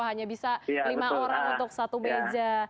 hanya bisa lima orang untuk satu meja